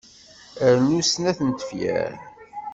Rnu snat n tefyar.